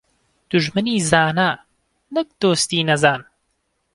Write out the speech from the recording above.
دوژمنی زانا، نەک دۆستی نەزان.